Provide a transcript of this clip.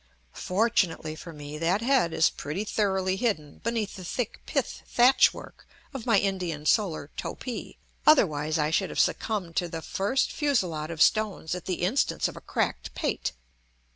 Fortunately for me that head is pretty thoroughly hidden beneath the thick pith thatch work of my Indian solar topee, otherwise I should have succumbed to the first fusillade of stones at the instance of a cracked pate.